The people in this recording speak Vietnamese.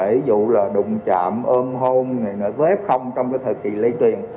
ví dụ là đụng chạm ôm hôn với f trong thời kỳ lây truyền